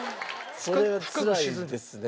それはつらいですね。